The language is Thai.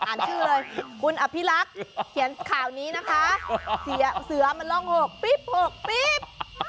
ชื่อเลยคุณอภิรักษ์เขียนข่าวนี้นะคะเสือมันร่อง๖ปิ๊บ๖ปิ๊บ